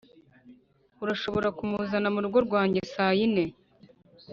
urashobora kumuzana mu rugo rwanjye saa yine